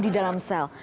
di dalam sel